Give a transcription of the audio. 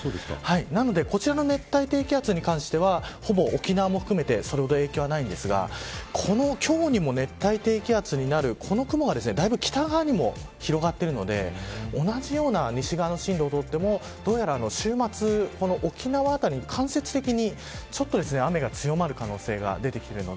なのでこちらの熱帯低気圧に関してはほぼ、沖縄も含めてそれほど影響はないですが今日にも熱帯低気圧になるこの雲がだいぶ北側にも広がっているので同じような西側の進路をとっても週末、沖縄辺りに、間接的に雨が強まる可能性が出てきています。